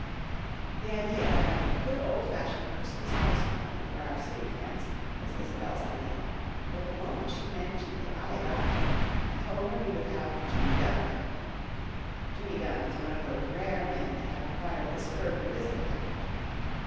The idea of having a good, old fashioned Christmas house party for our city friends was Isobel's idea, but the moment she mentioned it I adopted it, and told her we would have Jimmy Dunn out. Jimmy Dunn is one of those rare men that have acquired the suburban visit habit.